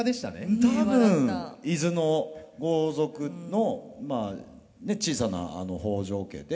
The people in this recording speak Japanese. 多分伊豆の豪族のまあ小さな北条家で。